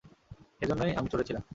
সেজন্য আমি চড়েছিলাম।